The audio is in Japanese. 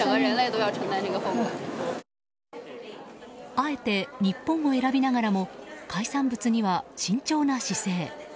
あえて日本を選びながらも海産物には慎重な姿勢。